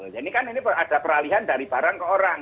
jadi ini kan ada peralihan dari barang ke orang